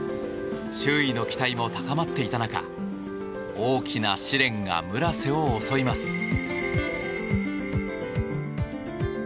周囲の期待も高まっていた中大きな試練が村瀬を襲います。